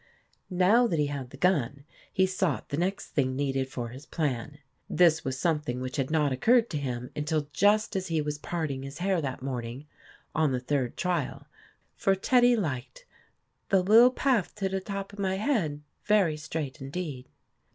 Now that he had the gun, he sought the next thing needed for his plan. This was something which had not occurred to him until just as he was parting his hair that morning, on the third trial, for Teddy liked " the little paf to the top of my head " very straight indeed.